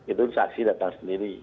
itu saksi datang sendiri